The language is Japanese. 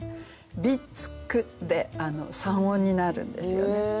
「ビツグ」で三音になるんですよね。